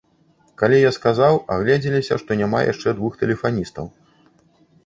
Калі я сказаў, агледзеліся, што няма яшчэ двух тэлефаністаў.